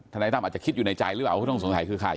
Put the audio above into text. นายตั้มอาจจะคิดอยู่ในใจหรือเปล่าว่าผู้ต้องสงสัยคือใคร